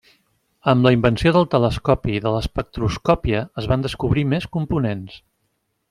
Amb la invenció del telescopi i de l'espectroscòpia es van descobrir més components.